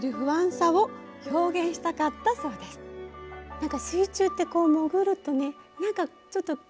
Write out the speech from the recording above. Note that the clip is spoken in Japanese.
なんか水中ってこう潜るとねなんかちょっと急に不安になりますものね。